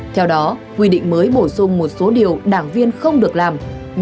theo đó quy định mới bổ sung một số điều đảng viên không được làm